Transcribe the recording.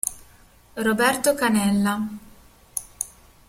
Roberto Canella